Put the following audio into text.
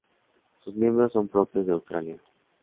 Sus miembros son propios de Australia.